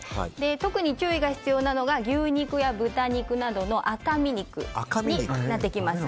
特に注意が必要なのは牛肉や豚肉などの赤身肉になってきます。